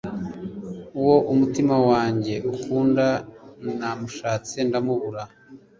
uwo umutima wanjye ukunda. namushatse ndamubura